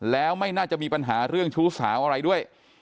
แล้วไม่น่าจะมีปัญหาเรื่องชู้สาวอะไรด้วย